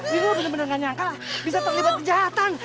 lino bener bener gak nyangka bisa terlibat kejahatan